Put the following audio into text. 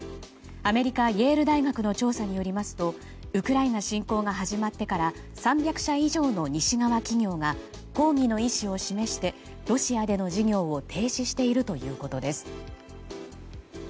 アメリカ・イェール大学の調査によりますとウクライナ侵攻が始まってから３００社以上の西側企業が抗議の意思を示してロシアでの事業を停止しているということです。